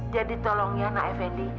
jadi tolong ya nak fendi